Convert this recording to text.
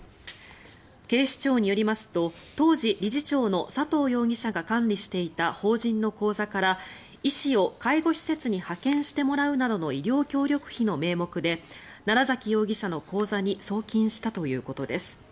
警視庁によりますと当時、理事長の佐藤容疑者が管理していた法人の口座から医師を介護施設に派遣してもらうなどの医療協力費の名目で楢崎容疑者の口座に送金したということです。